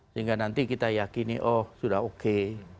sehingga nanti kita yakini oh sudah oke